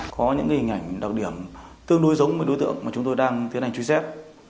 có những hình ảnh đặc điểm tương đối giống với đối tượng mà chúng tôi đang tiến hành truy xét